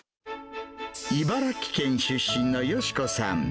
茨城県出身のよし子さん。